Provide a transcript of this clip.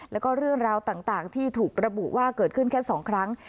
แล้วก็เรื่องราวต่างที่ถูกระบุว่าเกิดขึ้นแค่๒ครั้ง